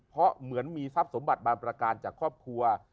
เพราะเหมือนมีทรัพย์สมบัติบางประการจากครอบครัว